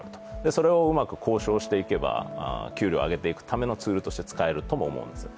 それをうまく交渉していけば給料を上げていくためのツールとしても使えると思うんですよ。